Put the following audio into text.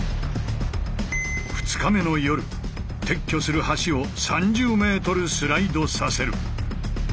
２日目の夜撤去する橋を３０ｍスライドさせる。